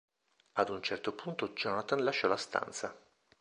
Ad un certo punto Jonathan lasciò la stanza.